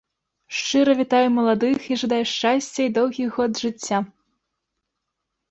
Шчыра вітаю маладых і жадаю шчасця і доўгіх год жыцця!